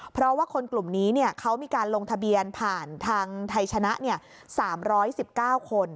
เพราะว่าคนกลุ่มนี้เขามีการลงทะเบียนผ่านทางไทยชนะ๓๑๙คน